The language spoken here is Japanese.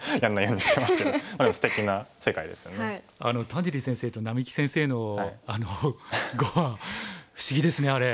田尻先生と並木先生の碁は不思議ですねあれ。